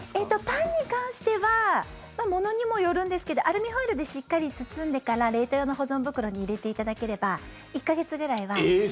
パンに関してはものにもよるんですけどアルミホイルでしっかり包んでから冷凍用の保存袋に入れていただければそんな持つの？